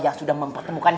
yang sudah mempertemukan